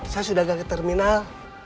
saya sudah ganti terminal